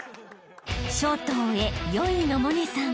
［ショートを終え４位の百音さん］